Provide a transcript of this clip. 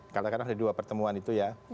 kadang kadang ada dua pertemuan itu ya